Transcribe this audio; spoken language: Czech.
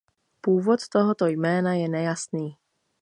Původ tohoto jména je nejasný.